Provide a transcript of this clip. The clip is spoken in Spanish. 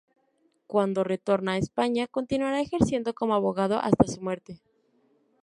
Cuando retorna a España continuará ejerciendo como abogado hasta su muerte.